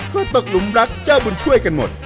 ก็ตกหลุมรักเจ้าบุญช่วยกันหมด